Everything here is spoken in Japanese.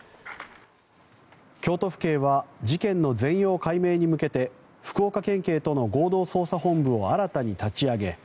京都府警は事件の全容解明に向けて福岡県警との合同捜査本部を新たに立ち上げ